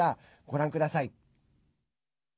ご覧ください。